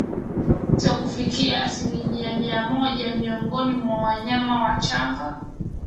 Vifo vinaweza kufika asilimia mia moja miongoni mwa wanyama wachanga